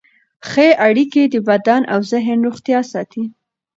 ښه اړیکې د بدن او ذهن روغتیا ساتي.